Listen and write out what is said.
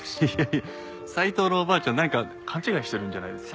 いや斉藤のおばあちゃんなんか勘違いしてるんじゃないですか？